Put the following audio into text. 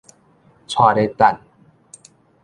掣咧等